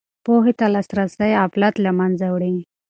پوهې ته لاسرسی غفلت له منځه وړي.